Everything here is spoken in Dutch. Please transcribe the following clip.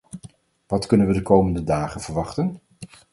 Wat kunnen we de komende dagen verwachten?